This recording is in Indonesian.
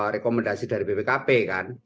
rekomendasi dari bpkp kan